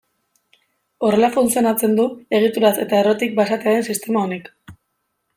Horrela funtzionatzen du egituraz eta errotik basatia den sistema honek.